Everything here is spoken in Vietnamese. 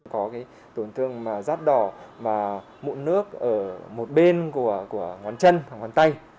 có tổn thương rát đỏ và mụn nước ở một bên của ngón chân hoặc ngón tay